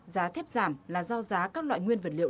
giá thép giảm là do giá các loại nguyên vật liệu